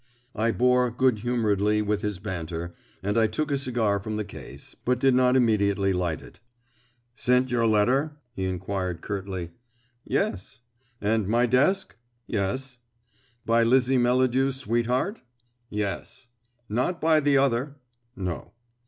I bore good humouredly with his banter, and I took a cigar from the case, but did not immediately light it. "Sent your letter?" he inquired curtly. "Yes." "And my desk?" "Yes." "By Lizzie Melladew's sweetheart?" "Yes." "Not by the other?" "No."